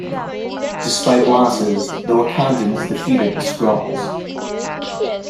Despite losses, the Wakandans defeat the Skrulls.